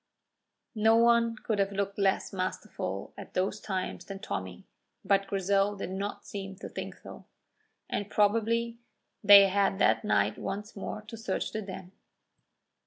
No one could have looked less masterful at those times than Tommy, but Grizel did not seem to think so. And probably they had that night once more to search the Den.